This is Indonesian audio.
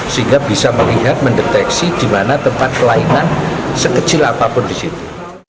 sehingga bisa melihat mendeteksi di mana tempat pelayanan sekecil apapun di situ